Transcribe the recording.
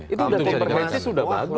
itu sudah komprehensi sudah bagus